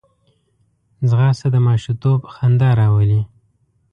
ځغاسته د ماشومتوب خندا راولي